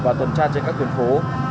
và tuần tra trên các tuyển phố